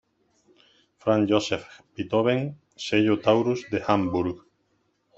Franz Joseph Beethoven, sello Taurus de Hamburg.